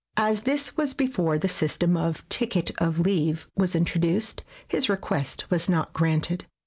As this was before the system of '^ ticket of leave '' was introduced, his request was not granted.